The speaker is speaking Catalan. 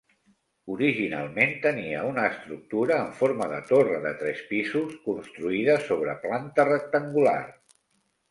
Originalment tenia una estructura en forma de torre de tres pisos construïda sobre planta rectangular.